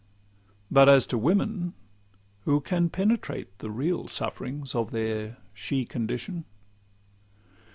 But as to women, who can penetrate The real sufferings of their she condition?